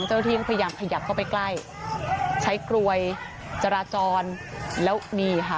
เจ้าหน้าที่ก็พยายามขยับเข้าไปใกล้ใช้กลวยจราจรแล้วนี่ค่ะ